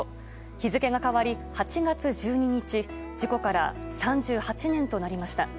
日付が変わり８月１２日事故から３８年となりました。